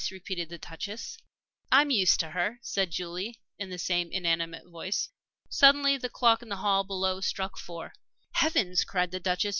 repeated the Duchess. "I'm used to her," said Julie, in the same inanimate voice. Suddenly the clock in the hall below struck four. "Heavens!" cried the Duchess.